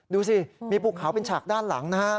ดูสิมีภูเขาเป็นฉากด้านหลังนะครับ